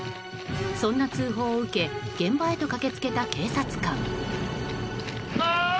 そんな通報を受け現場へと駆け付けた警察官。